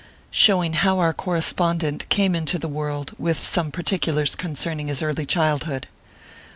SHOWING HOW OUR CORRESPONDENT CAME INTO THE "WORLD: WITH SOME PARTICULARS CONCERNING HIS EARLY CHILDHOOD.